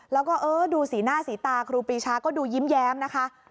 แล้วก็ดูสีหน้าสีตาครูปีชาก็ดูยิ้มแย้มนะคะ